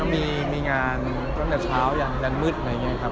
มีงานตั้งแต่เช้าอย่างมืดหน่อยครับ